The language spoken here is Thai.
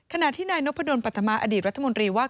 ขณะที่นายนพดลปัธมาอดีตรัฐมนตรีว่า